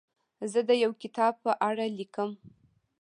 زه د یو کتاب په اړه لیکم.